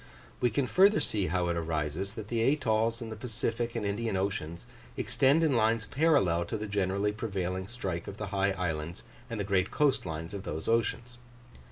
We can further see how it arises that the atolls in the Pacific and Indian Oceans extend in lines parallel to the generally prevailing strike of the high islands and great coast lines of those oceans.